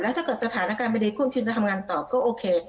แล้วถ้าเกิดสถานการณ์ไม่ได้คุ่มคืนจะทำงานต่อก็โอเค